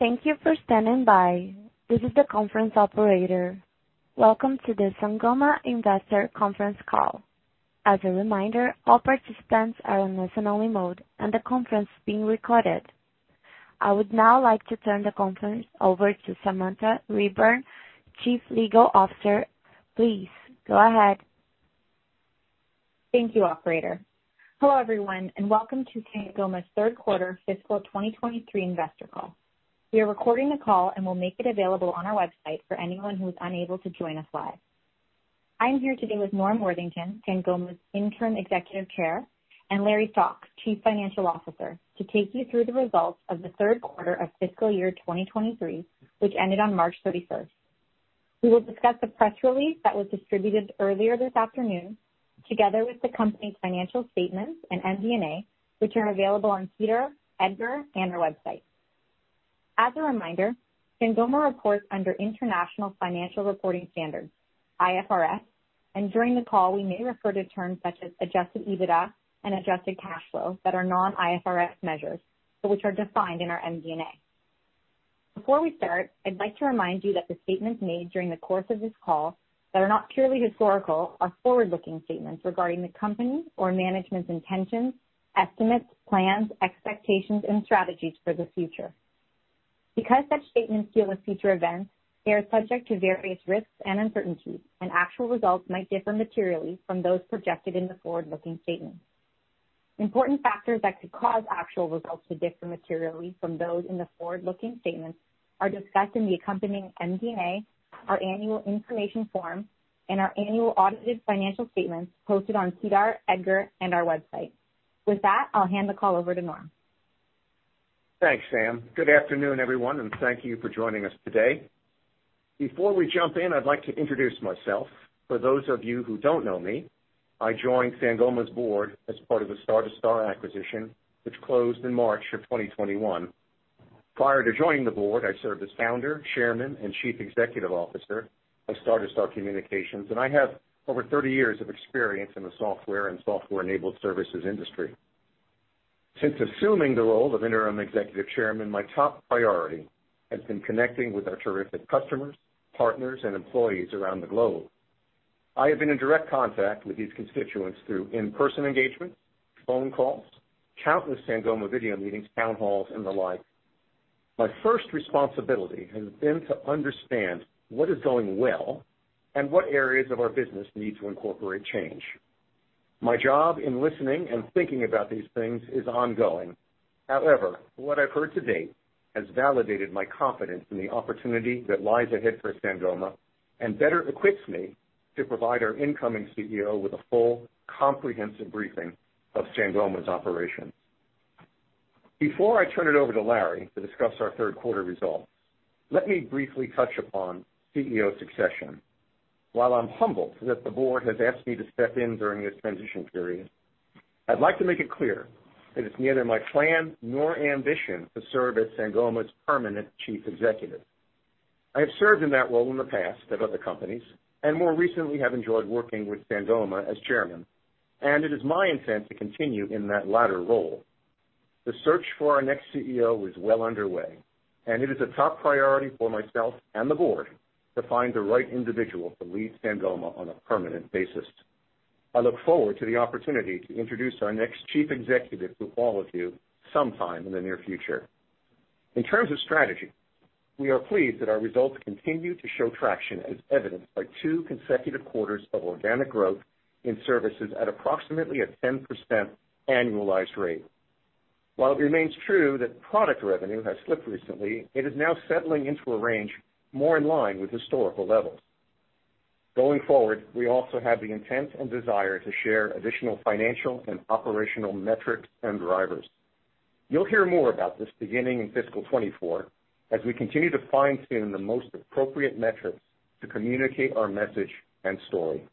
Thank you for standing by. This is the conference operator. Welcome to the Sangoma investor conference call. As a reminder, all participants are in listen-only mode and the conference is being recorded. I would now like to turn the conference over to Samantha Reburn, Chief Legal Officer. Please go ahead. Thank you, operator. Hello, everyone, and welcome to Sangoma's third quarter fiscal 2023 investor call. We are recording the call and will make it available on our website for anyone who is unable to join us live. I'm here today with Norman Worthington, Sangoma's Interim Executive Chair, and Larry Stock, Chief Financial Officer, to take you through the results of the third quarter of fiscal year 2023, which ended on March 31st. We will discuss the press release that was distributed earlier this afternoon, together with the company's financial statements and MD&A, which are available on SEDAR, EDGAR, and our website. As a reminder, Sangoma reports under International Financial Reporting Standards, IFRS, and during the call, we may refer to terms such as adjusted EBITDA and adjusted cash flow that are non-IFRS measures, but which are defined in our MD&A. Before we start, I'd like to remind you that the statements made during the course of this call that are not purely historical are forward-looking statements regarding the company or management's intentions, estimates, plans, expectations, and strategies for the future. Because such statements deal with future events, they are subject to various risks and uncertainties, and actual results might differ materially from those projected in the forward-looking statement. Important factors that could cause actual results to differ materially from those in the forward-looking statements are discussed in the accompanying MD&A, our annual information form, and our annual audited financial statements posted on SEDAR, EDGAR, and our website. With that, I'll hand the call over to Norman. Thanks, Sam. Good afternoon, everyone. Thank you for joining us today. Before we jump in, I'd like to introduce myself. For those of you who don't know me, I joined Sangoma's board as part of the Star2Star acquisition, which closed in March of 2021. Prior to joining the board, I served as Founder, Chairman, and Chief Executive Officer of Star2Star Communications. I have over 30 years of experience in the software and software-enabled services industry. Since assuming the role of Interim Executive Chairman, my top priority has been connecting with our terrific customers, partners, and employees around the globe. I have been in direct contact with these constituents through in-person engagements, phone calls, countless Sangoma video meetings, town halls, and the like. My first responsibility has been to understand what is going well and what areas of our business need to incorporate change. My job in listening and thinking about these things is ongoing. However, what I've heard to date has validated my confidence in the opportunity that lies ahead for Sangoma and better equips me to provide our incoming CEO with a full, comprehensive briefing of Sangoma's operations. Before I turn it over to Larry to discuss our third quarter results, let me briefly touch upon CEO succession. While I'm humbled that the board has asked me to step in during this transition period, I'd like to make it clear that it's neither my plan nor ambition to serve as Sangoma's permanent chief executive. I have served in that role in the past at other companies, and more recently have enjoyed working with Sangoma as chairman, and it is my intent to continue in that latter role. The search for our next CEO is well underway, and it is a top priority for myself and the board to find the right individual to lead Sangoma on a permanent basis. I look forward to the opportunity to introduce our next chief executive to all of you sometime in the near future. In terms of strategy, we are pleased that our results continue to show traction as evidenced by two consecutive quarters of organic growth in services at approximately a 10% annualized rate. While it remains true that product revenue has slipped recently, it is now settling into a range more in line with historical levels. Going forward, we also have the intent and desire to share additional financial and operational metrics and drivers. You'll hear more about this beginning in fiscal 2024 as we continue to fine-tune the most appropriate metrics to communicate our message and story.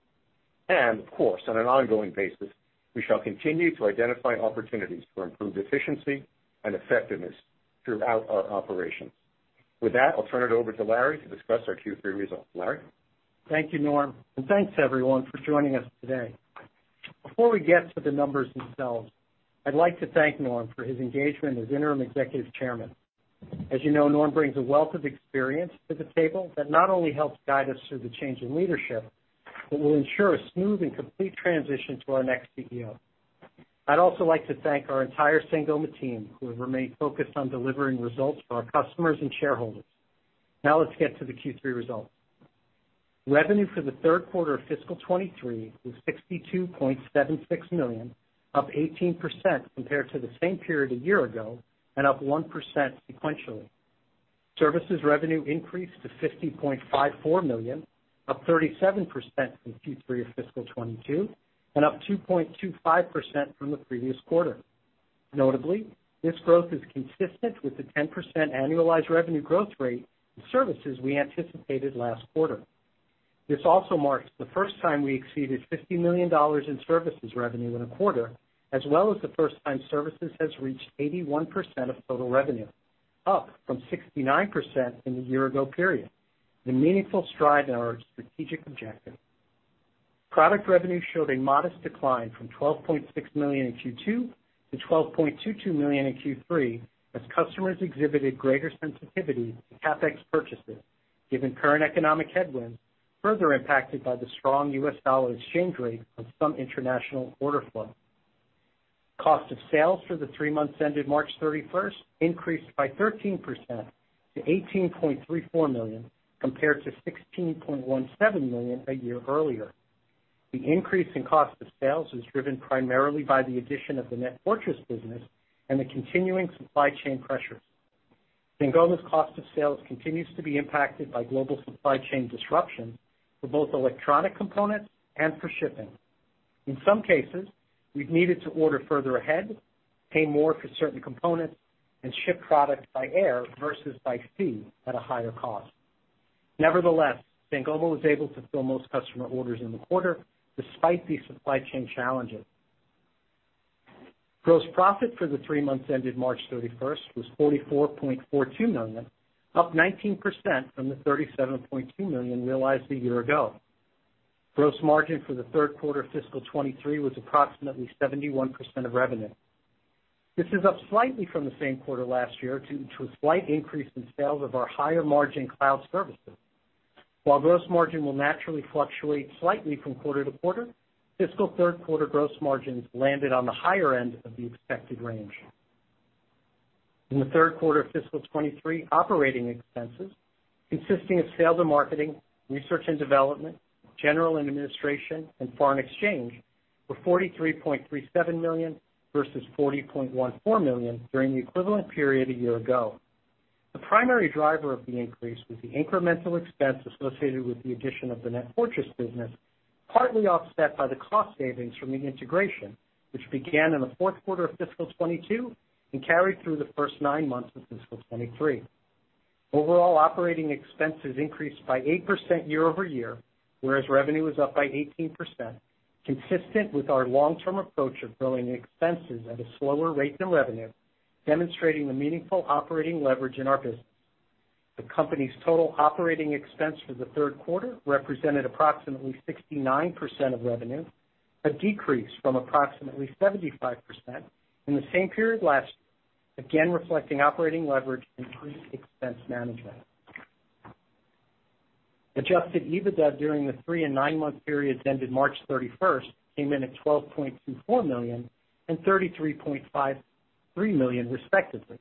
Of course, on an ongoing basis, we shall continue to identify opportunities to improve efficiency and effectiveness throughout our operations. With that, I'll turn it over to Larry to discuss our Q3 results. Larry? Thank you, Norm, and thanks everyone for joining us today. Before we get to the numbers themselves, I'd like to thank Norm for his engagement as Interim Executive Chairman. As you know, Norm brings a wealth of experience to the table that not only helps guide us through the change in leadership, but will ensure a smooth and complete transition to our next CEO. I'd also like to thank our entire Sangoma team, who have remained focused on delivering results for our customers and shareholders. Let's get to the Q3 results. Revenue for the third quarter of fiscal 2023 was $62.76 million, up 18% compared to the same period a year ago and up 1% sequentially. Services revenue increased to $50.54 million, up 37% from Q3 of fiscal 2022 and up 2.25% from the previous quarter. Notably, this growth is consistent with the 10% annualized revenue growth rate services we anticipated last quarter. This also marks the first time we exceeded $50 million in services revenue in a quarter, as well as the first time services has reached 81% of total revenue, up from 69% in the year-ago period, the meaningful stride in our strategic objective. Product revenue showed a modest decline from $12.6 million in Q2 to $12.22 million in Q3, as customers exhibited greater sensitivity to CapEx purchases, given current economic headwinds, further impacted by the strong US dollar exchange rate from some international order flow. Cost of sales for the three months ended March 31st increased by 13% to $18.34 million, compared to $16.17 million a year earlier. The increase in cost of sales was driven primarily by the addition of the NetFortris business and the continuing supply chain pressures. Sangoma's cost of sales continues to be impacted by global supply chain disruption for both electronic components and for shipping. In some cases, we've needed to order further ahead, pay more for certain components, and ship products by air versus by sea at a higher cost. Nevertheless, Sangoma was able to fill most customer orders in the quarter despite these supply chain challenges. Gross profit for the three months ended March 31st was $44.42 million, up 19% from the $37.2 million realized a year ago. Gross margin for the third quarter of fiscal 2023 was approximately 71% of revenue. This is up slightly from the same quarter last year due to a slight increase in sales of our higher-margin cloud services. While gross margin will naturally fluctuate slightly from quarter to quarter, fiscal third quarter gross margins landed on the higher end of the expected range. In the third quarter of fiscal 2023, operating expenses, consisting of sales and marketing, research and development, general and administration, and foreign exchange, were $43.37 million versus $40.14 million during the equivalent period a year ago. The primary driver of the increase was the incremental expense associated with the addition of the NetFortris business, partly offset by the cost savings from the integration, which began in the fourth quarter of fiscal 2022 and carried through the first nine months of fiscal 2023. Overall operating expenses increased by 8% year-over-year, whereas revenue was up by 18%, consistent with our long-term approach of growing expenses at a slower rate than revenue, demonstrating the meaningful operating leverage in our business. The company's total operating expense for the third quarter represented approximately 69% of revenue, a decrease from approximately 75% in the same period last year, again reflecting operating leverage and prudent expense management. Adjusted EBITDA during the three and nine-month periods ended March 31st came in at $12.24 million and $33.53 million respectively,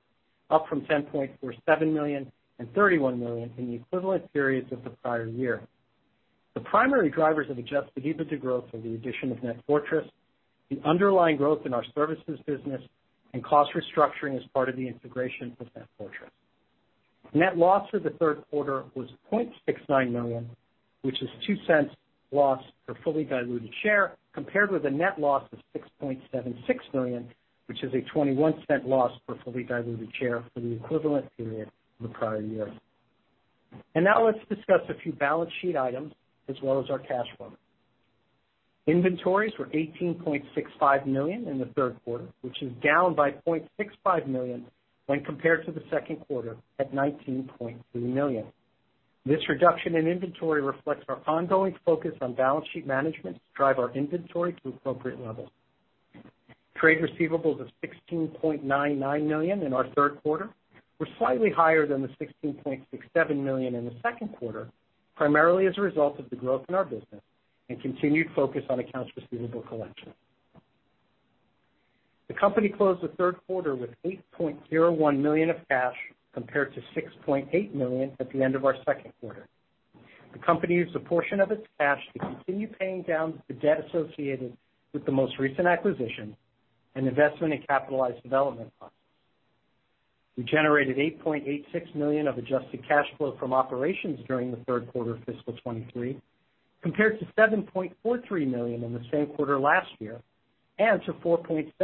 up from $10.47 million and $31 million in the equivalent periods of the prior year. The primary drivers of adjusted EBITDA growth are the addition of NetFortris, the underlying growth in our services business, and cost restructuring as part of the integration with NetFortris. Net loss for the third quarter was $0.69 million, which is $0.02 loss per fully diluted share, compared with a net loss of $6.76 million, which is a $0.21 loss per fully diluted share for the equivalent period in the prior year. Now let's discuss a few balance sheet items as well as our cash flow. Inventories were $18.65 million in the third quarter, which is down by $0.65 million when compared to the second quarter at $19.3 million. This reduction in inventory reflects our ongoing focus on balance sheet management to drive our inventory to appropriate levels. Trade receivables of $16.99 million in our third quarter were slightly higher than the $16.67 million in the second quarter, primarily as a result of the growth in our business and continued focus on accounts receivable collection. The company closed the third quarter with $8.01 million of cash, compared to $6.8 million at the end of our second quarter. The company used a portion of its cash to continue paying down the debt associated with the most recent acquisition and investment in capitalized development costs. We generated $8.86 million of adjusted cash flow from operations during the third quarter of fiscal 2023, compared to $7.43 million in the same quarter last year, and to $4.77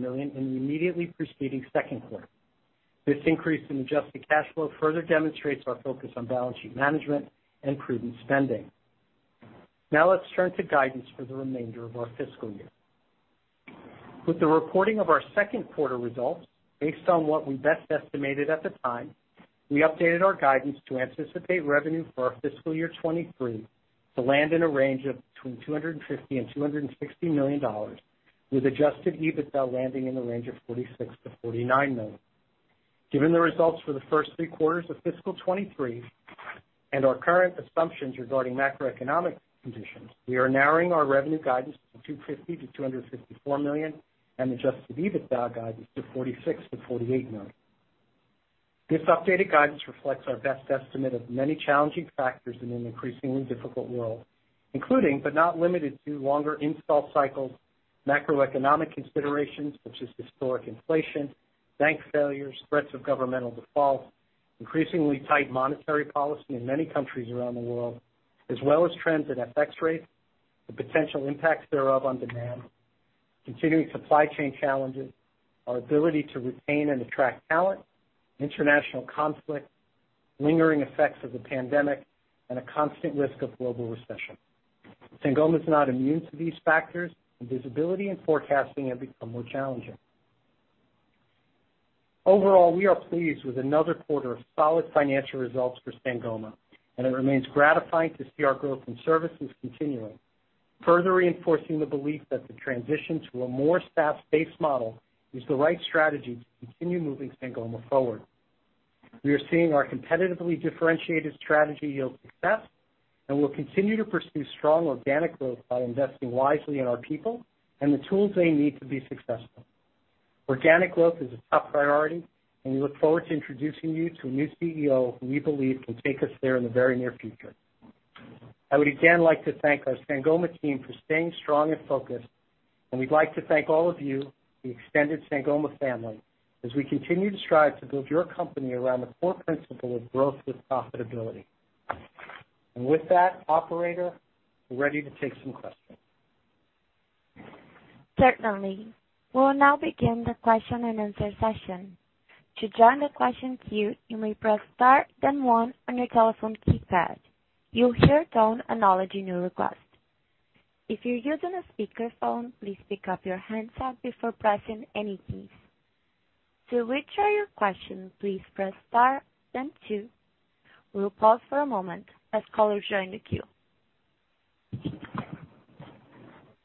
million in the immediately preceding second quarter. This increase in adjusted cash flow further demonstrates our focus on balance sheet management and prudent spending. Let's turn to guidance for the remainder of our fiscal year. With the reporting of our second quarter results, based on what we best estimated at the time, we updated our guidance to anticipate revenue for our fiscal year 2023 to land in a range of between $250 million and $260 million, with adjusted EBITDA landing in the range of $46 million-$49 million. Given the results for the first three quarters of fiscal 2023 and our current assumptions regarding macroeconomic conditions, we are narrowing our revenue guidance to $250 million-$254 million and adjusted EBITDA guidance to $46 million-$48 million. This updated guidance reflects our best estimate of many challenging factors in an increasingly difficult world, including but not limited to longer install cycles, macroeconomic considerations such as historic inflation, bank failures, threats of governmental default, increasingly tight monetary policy in many countries around the world, as well as trends in FX rates, the potential impacts thereof on demand, continuing supply chain challenges, our ability to retain and attract talent, international conflict, lingering effects of the pandemic, and a constant risk of global recession. Sangoma is not immune to these factors, and visibility and forecasting have become more challenging. Overall, we are pleased with another quarter of solid financial results for Sangoma, and it remains gratifying to see our growth in services continuing, further reinforcing the belief that the transition to a more staff-based model is the right strategy to continue moving Sangoma forward. We are seeing our competitively differentiated strategy yield success. We'll continue to pursue strong organic growth by investing wisely in our people and the tools they need to be successful. Organic growth is a top priority. We look forward to introducing you to a new CEO who we believe can take us there in the very near future. I would again like to thank our Sangoma team for staying strong and focused. We'd like to thank all of you, the extended Sangoma family, as we continue to strive to build your company around the core principle of growth with profitability. With that, operator, we're ready to take some questions. Certainly. We'll now begin the question-and-answer session. To join the question queue, you may press star then one on your telephone keypad. You'll hear tone acknowledging your request. If you're using a speakerphone, please pick up your handset before pressing any keys. To withdraw your question, please press star then two. We'll pause for a moment as callers join the queue.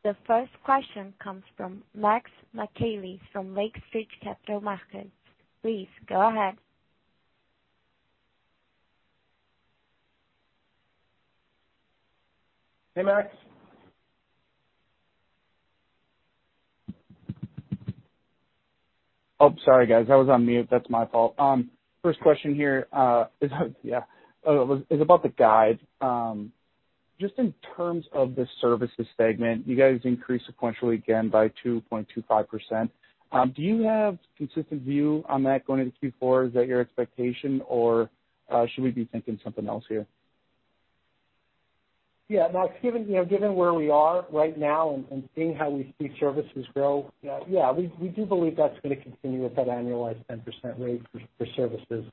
The first question comes from Eric Martinuzzi from Lake Street Capital Markets. Please go ahead. Hey, Max. Oh, sorry, guys, I was on mute. That's my fault. First question here, is, yeah, is about the guide. Just in terms of the services segment, you guys increased sequentially again by 2.25%. Do you have consistent view on that going into Q4? Is that your expectation, or, should we be thinking something else here? Max, given, you know, given where we are right now and seeing how we see services grow, yeah, we do believe that's gonna continue at that annualized 10% rate for services,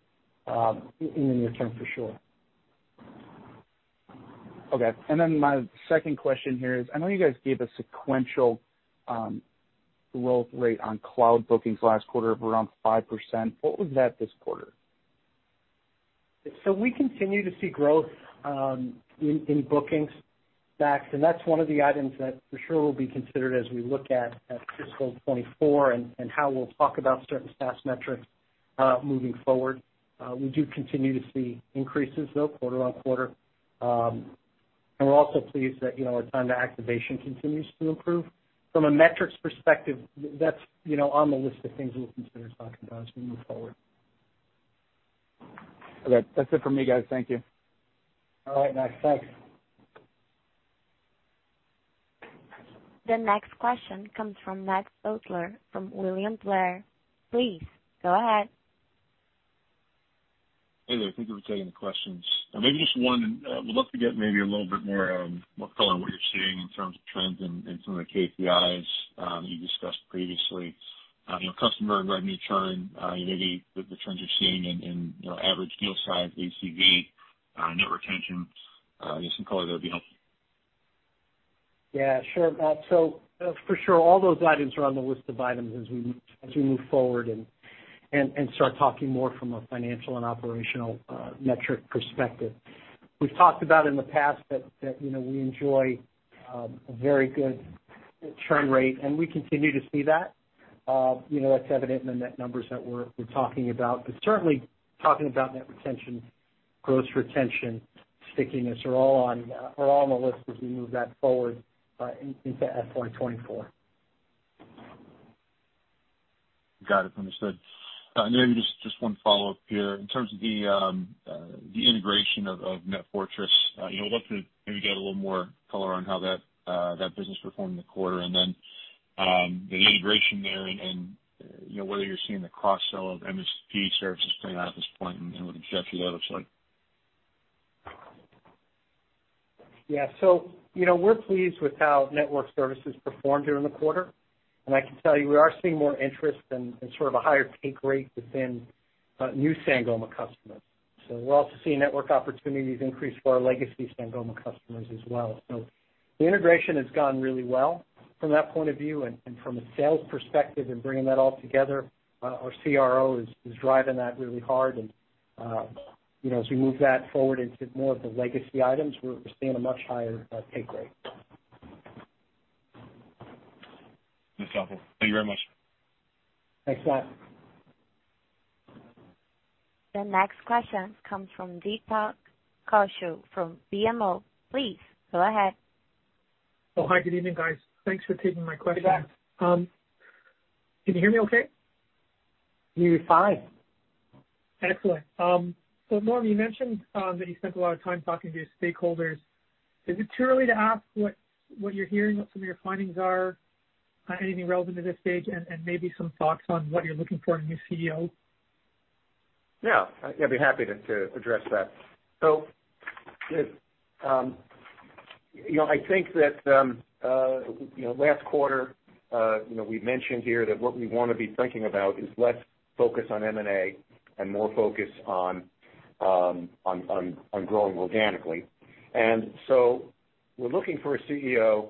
in the near term for sure. Okay. My second question here is, I know you guys gave a sequential, growth rate on cloud bookings last quarter of around 5%. What was that this quarter? We continue to see growth in bookings, Max, and that's one of the items that for sure will be considered as we look at fiscal 2024 and how we'll talk about certain SaaS metrics moving forward. We do continue to see increases though, quarter-on-quarter. We're also pleased that, you know, our time to activation continues to improve. From a metrics perspective, that's, you know, on the list of things we'll consider talking about as we move forward. Okay. That's it for me, guys. Thank you. All right, Max. Thanks. The next question comes from Matthew Stotler from William Blair. Please go ahead. Hey there. Thank you for taking the questions. Maybe just one. Would love to get maybe a little bit more on what color you're seeing in terms of trends and some of the KPIs you discussed previously. You know, customer and revenue churn, maybe the trends you're seeing in, you know, average deal size, ACV, net retention. Just some color there would be helpful. Sure, Matt. For sure, all those items are on the list of items as we move forward and start talking more from a financial and operational metric perspective. We've talked about in the past that, you know, we enjoy a very good churn rate, and we continue to see that. You know, that's evident in the net numbers that we're talking about. Certainly, talking about net retention, gross retention, stickiness, are all on the list as we move that forward into FY 2024. Got it. Understood. Maybe just one follow-up here. In terms of the integration of NetFortris, you know, I'd love to maybe get a little more color on how that business performed in the quarter. Then, the integration there and, you know, whether you're seeing the cross-sell of MSP services paying off at this point and what the trajectory of that looks like. Yeah. You know, we're pleased with how network services performed during the quarter. I can tell you, we are seeing more interest and sort of a higher take rate within new Sangoma customers. We're also seeing network opportunities increase for our legacy Sangoma customers as well. The integration has gone really well from that point of view. From a sales perspective in bringing that all together, our CRO is driving that really hard. You know, as we move that forward into more of the legacy items, we're seeing a much higher take rate. That's helpful. Thank you very much. Thanks, Matt. The next question comes from Deepak Kaushal from BMO. Please go ahead. Oh, hi. Good evening, guys. Thanks for taking my question. Deepak. Can you hear me okay? You're fine. Excellent. Norm, you mentioned, that you spent a lot of time talking to your stakeholders. Is it too early to ask what you're hearing, what some of your findings are, anything relevant to this stage, and maybe some thoughts on what you're looking for in a new CEO? Yeah. I'd be happy to address that. You know, I think that, you know, last quarter, you know, we mentioned here that what we wanna be thinking about is less focus on M&A and more focus on growing organically. We're looking for a CEO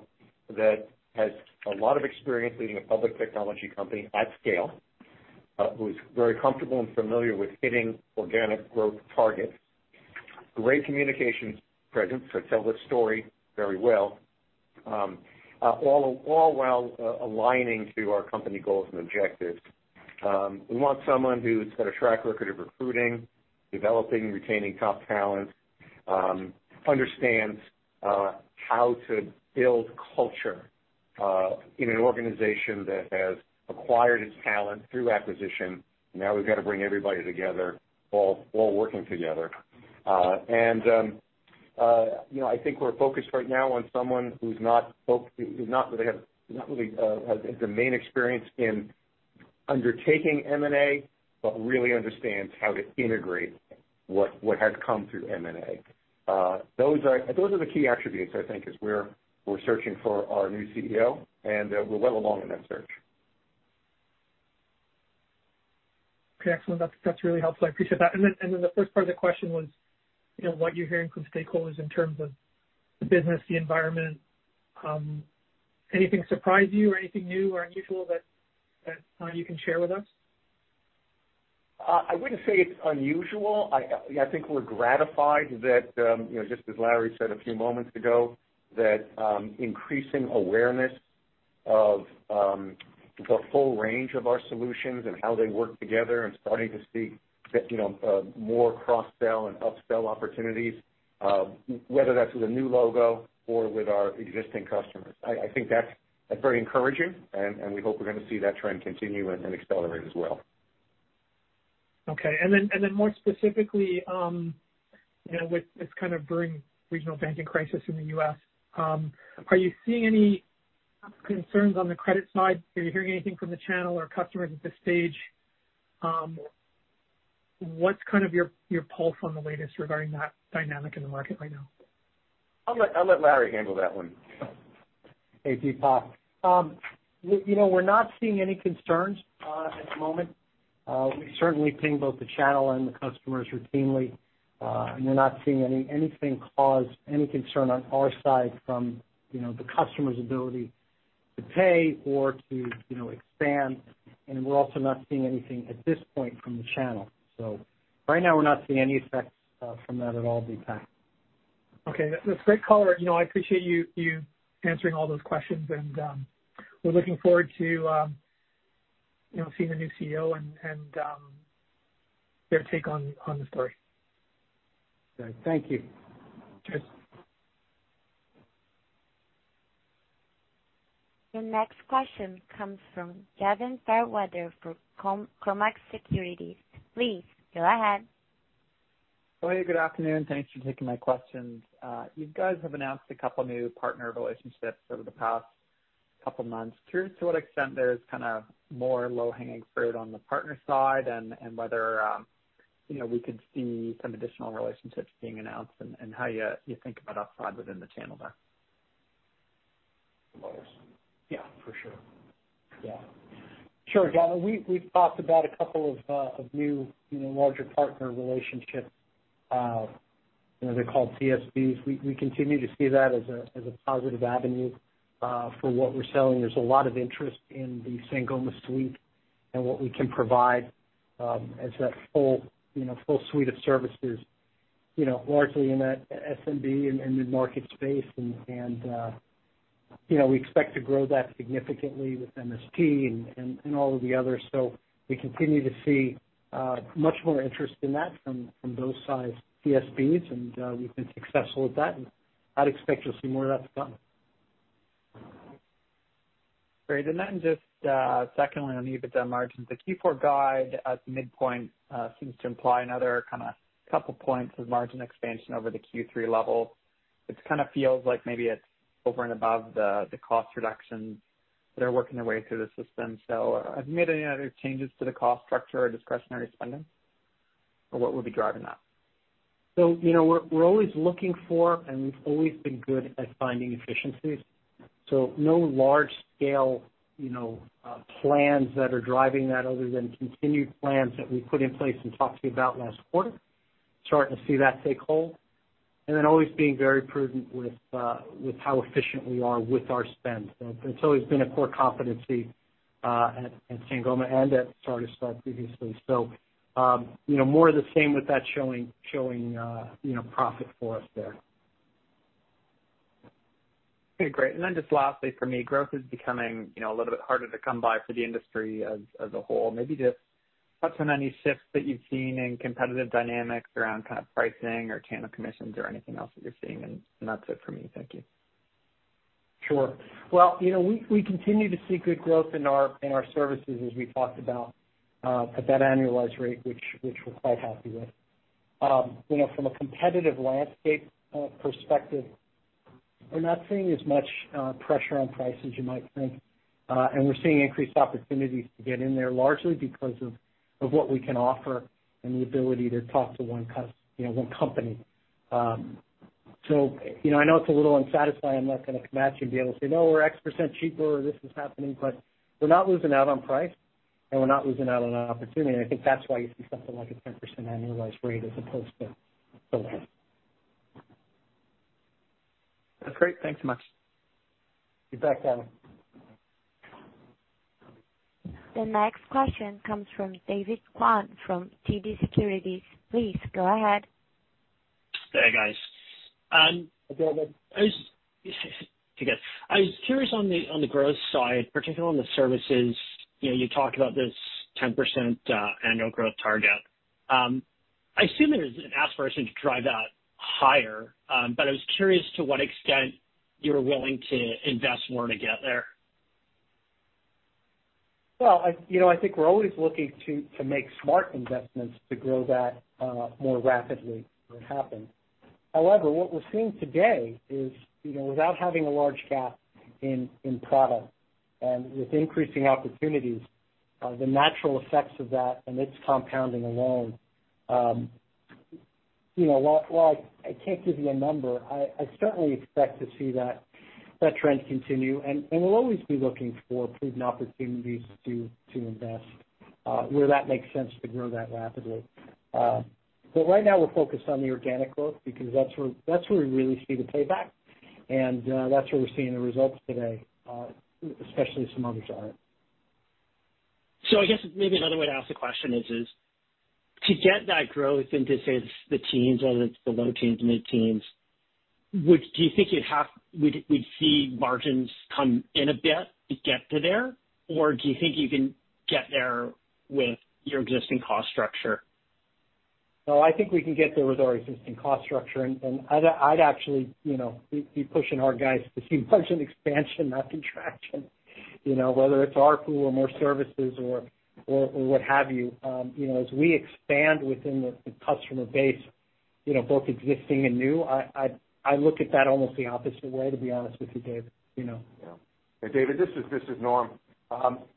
that has a lot of experience leading a public technology company at scale, who's very comfortable and familiar with hitting organic growth targets. Great communication presence to tell the story very well, all while aligning to our company goals and objectives. We want someone who's got a track record of recruiting, developing, retaining top talent, understands how to build culture in an organization that has acquired its talent through acquisition. Now we've got to bring everybody together, all working together. You know, I think we're focused right now on someone not really has the main experience in undertaking M&A, but really understands how to integrate what has come through M&A.Those are the key attributes, I think, as we're searching for our new CEO, and we're well along in that search. Okay, excellent. That really helps. I appreciate that. Then the first part of the question was, you know, what you're hearing from stakeholders in terms of the business, the environment, anything surprise you or anything new or unusual that you can share with us? I wouldn't say it's unusual. I think we're gratified that, you know, just as Larry said a few moments ago, that increasing awareness of the full range of our solutions and how they work together and starting to see that, you know, more cross-sell and up-sell opportunities, whether that's with a new logo or with our existing customers. I think that's very encouraging, and we hope we're gonna see that trend continue and accelerate as well. Okay. more specifically, you know, with this kind of brewing regional banking crisis in the U.S., are you seeing any concerns on the credit side? Are you hearing anything from the channel or customers at this stage? What's kind of your pulse on the latest regarding that dynamic in the market right now? I'll let Larry handle that one. Hey, Deepak. You know, we're not seeing any concerns at the moment. We certainly ping both the channel and the customers routinely, and we're not seeing anything cause any concern on our side from, you know, the customer's ability to pay or to, you know, expand. We're also not seeing anything at this point from the channel. Right now we're not seeing any effects from that at all, Deepak. Okay. That's great color. You know, I appreciate you answering all those questions and we're looking forward to, you know, seeing the new CEO and their take on the story. Thank you. Cheers. The next question comes from Gavin Fairweather for Cormark Securities. Please go ahead. Oh, hey, good afternoon. Thanks for taking my questions. You guys have announced a couple new partner relationships over the past couple months. To what extent there's kinda more low-hanging fruit on the partner side and whether, you know, we could see some additional relationships being announced and how you think about upside within the channel there? For Lars. Yeah, for sure. Yeah. Sure, Gavin. We've talked about a couple of new, you know, larger partner relationships. You know, they're called CSPs. We continue to see that as a positive avenue for what we're selling. There's a lot of interest in the Sangoma suite and what we can provide as that full, you know, full suite of services, you know, largely in that SMB and mid-market space. You know, we expect to grow that significantly with MSP and all of the others. We continue to see much more interest in that from those size CSPs, and we've been successful with that, and I'd expect you'll see more of that to come. Great. Then just, secondly on EBITDA margins. The Q4 guide at the midpoint, seems to imply another kinda couple points of margin expansion over the Q3 level, which kinda feels like maybe it's over and above the cost reductions that are working their way through the system. Have you made any other changes to the cost structure or discretionary spending? What would be driving that? you know, we're always looking for, and we've always been good at finding efficiencies. no large scale, you know, plans that are driving that other than continued plans that we put in place and talked to you about last quarter. Starting to see that take hold. always being very prudent with how efficient we are with our spend. it's always been a core competency at Sangoma and at Star2Star previously. you know, more of the same with that showing, you know, profit for us there. Okay, great. Just lastly for me, growth is becoming, you know, a little bit harder to come by for the industry as a whole. Maybe just touch on any shifts that you've seen in competitive dynamics around kind of pricing or channel commissions or anything else that you're seeing. That's it for me. Thank you. Sure. Well, you know, we continue to see good growth in our services as we talked about at that annualized rate, which we're quite happy with. You know, from a competitive landscape, perspective, we're not seeing as much pressure on price as you might think, and we're seeing increased opportunities to get in there largely because of what we can offer and the ability to talk to one you know, one company. You know, I know it's a little unsatisfying. I'm not gonna match and be able to say, "No, we're X% cheaper or this is happening." We're not losing out on price, and we're not losing out on an opportunity. I think that's why you see something like a 10% annualized rate as opposed to less. That's great. Thanks so much. You bet, Gavin. The next question comes from David Kwan from TD Securities. Please go ahead. Hey, guys. Hi, David. I was curious on the growth side, particularly on the services. You know, you talked about this 10% annual growth target. I assume it is an aspiration to drive that higher. I was curious to what extent you're willing to invest more to get there. Well, I, you know, I think we're always looking to make smart investments to grow that more rapidly when it happens. However, what we're seeing today is, you know, without having a large gap in product and with increasing opportunities, the natural effects of that and its compounding alone, you know, while I can't give you a number, I certainly expect to see that trend continue. We'll always be looking for prudent opportunities to invest where that makes sense to grow that rapidly. Right now we're focused on the organic growth because that's where we really see the payback, and, that's where we're seeing the results today, especially as some others aren't. I guess maybe another way to ask the question is to get that growth into, say, the teens, whether it's the low teens, mid-teens, do you think you'd have we'd see margins come in a bit to get to there, or do you think you can get there with your existing cost structure? No, I think we can get there with our existing cost structure. I'd actually, you know, be pushing our guys to see margin expansion, not contraction, you know, whether it's ARPU or more services or what have you. You know, as we expand within the customer base, you know, both existing and new, I look at that almost the opposite way, to be honest with you, David, you know? Yeah. David, this is Norm.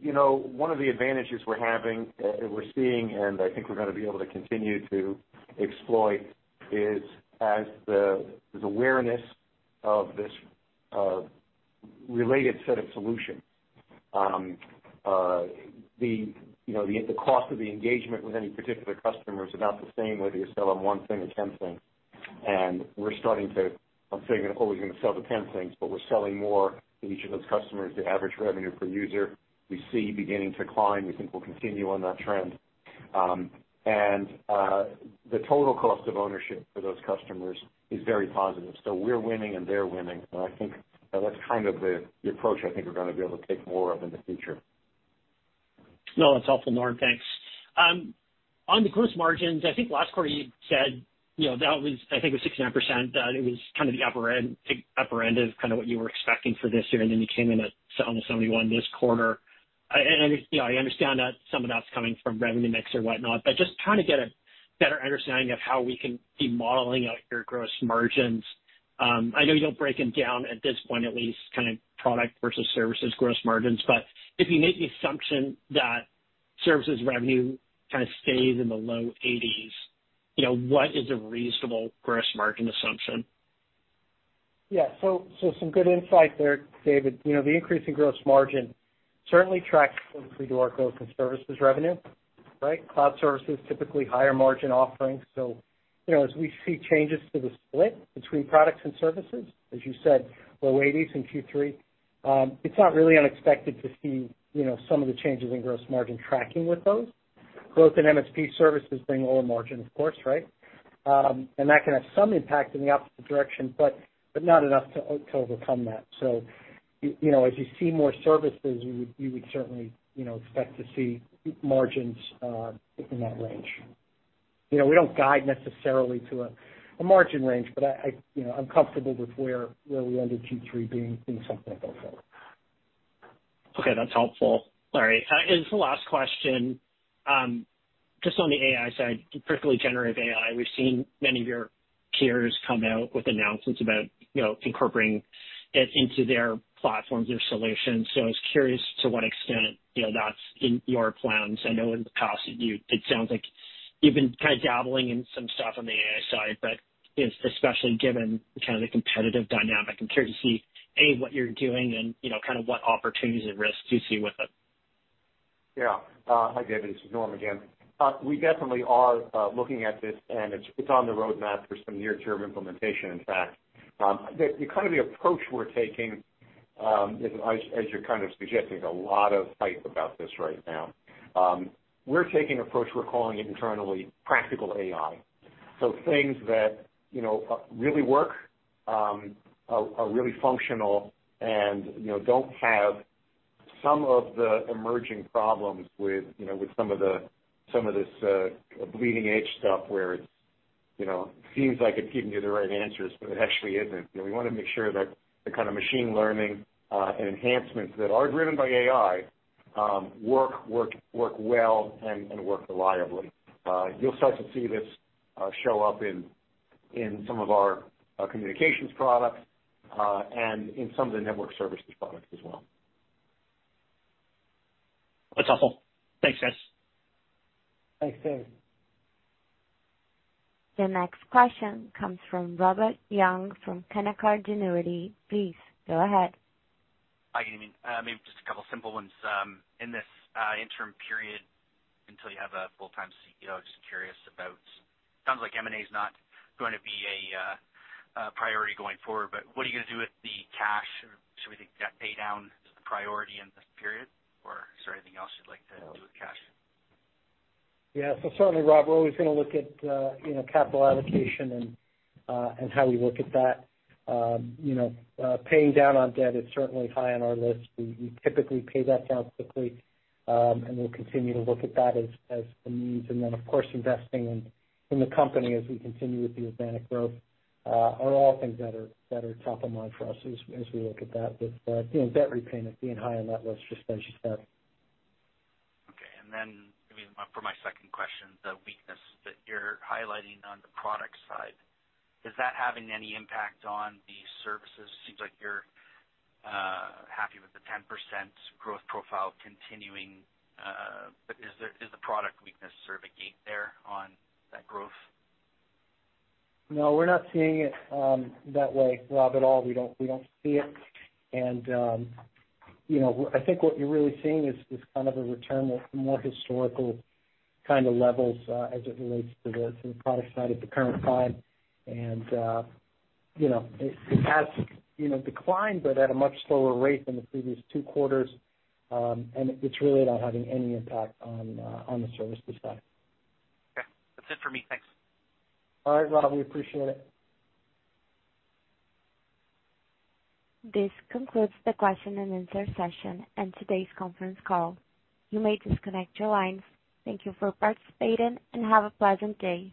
You know, one of the advantages we're having, we're seeing, and I think we're gonna be able to continue to exploit, is as the awareness of this related set of solutions, the, you know, the cost of the engagement with any particular customer is about the same, whether you're selling one thing or 10 things. We're starting to, I'm not saying we're always gonna sell the 10 things, but we're selling more to each of those customers. The average revenue per user we see beginning to climb. We think we'll continue on that trend. The total cost of ownership for those customers is very positive. We're winning and they're winning. I think that's kind of the approach I think we're gonna be able to take more of in the future. No, that's helpful, Norm. Thanks. On the gross margins, I think last quarter you said, you know, that was, I think it was 69%, that it was kind of the upper end of kind of what you were expecting for this year, and then you came in at almost 71% this quarter. I, you know, I understand that some of that's coming from revenue mix or whatnot, but just trying to get a better understanding of how we can be modeling out your gross margins. I know you don't break them down at this point, at least kind of product versus services gross margins. But if you make the assumption that services revenue kind of stays in the low 80s%, you know, what is a reasonable gross margin assumption? Some good insight there, David. You know, the increase in gross margin certainly tracks closely to our growth in services revenue, right? Cloud services, typically higher margin offerings. You know, as we see changes to the split between products and services, as you said, low eighties in Q3, it's not really unexpected to see, you know, some of the changes in gross margin tracking with those. Growth in MSP services bring lower margin, of course, right? That can have some impact in the opposite direction, but not enough to overcome that. You know, as you see more services, you would certainly, you know, expect to see margins in that range. You know, we don't guide necessarily to a margin range, but I, you know, I'm comfortable with where we ended Q3 being something like that. Okay. That's helpful. Sorry. The last question, just on the AI side, particularly generative AI. We've seen many of your peers come out with announcements about, you know, incorporating it into their platforms, their solutions. I was curious to what extent, you know, that's in your plans. I know in the past it sounds like you've been kind of dabbling in some stuff on the AI side, but especially given kind of the competitive dynamic, I'm curious to see, A, what you're doing and, you know, kind of what opportunities and risks you see with it. Yeah. Hi, David, this is Norm again. We definitely are looking at this and it's on the roadmap for some near-term implementation, in fact. The, the kind of the approach we're taking is as you're kind of suggesting, a lot of hype about this right now. We're taking approach we're calling internally practical AI. Things that, you know, really work, are really functional and, you know, don't have some of the emerging problems with, you know, with some of the, some of this leading edge stuff where it's, you know, seems like it's giving you the right answers, but it actually isn't. You know, we wanna make sure that the kind of machine learning and enhancements that are driven by AI, work well and work reliably you'll start to see this show up in some of our communications products, and in some of the network services products as well. That's all folks. Thanks, guys. Thanks, David. The next question comes from Robert Young from Canaccord Genuity. Please go ahead. Hi, good evening. Maybe just a couple simple ones. In this interim period until you have a full-time CEO, just curious about. Sounds like M&A is not going to be a priority going forward, but what are you gonna do with the cash? Should we think debt pay down is the priority in this period, or is there anything else you'd like to do with cash? Yeah. Certainly, Rob, we're always gonna look at, you know, capital allocation and how we look at that. You know, paying down on debt is certainly high on our list. We typically pay that down quickly, and we'll continue to look at that as the needs. Then of course, investing in the company as we continue with the organic growth, are all things that are top of mind for us as we look at that. You know, debt repayment being high on that list, just as you said. Okay. maybe for my second question, the weakness that you're highlighting on the product side, is that having any impact on the services? Seems like you're happy with the 10% growth profile continuing. is the product weakness sort of a gate there on that growth? No, we're not seeing it, that way, Rob, at all. We don't see it. You know, I think what you're really seeing is kind of a return to more historical kind of levels as it relates to the product side at the current time. You know, it has, you know, declined but at a much slower rate than the previous two quarters. It's really not having any impact on the services side. Okay. That's it for me. Thanks. All right, Rob, we appreciate it. This concludes the question and answer session and today's conference call. You may disconnect your lines. Thank you for participating, and have a pleasant day.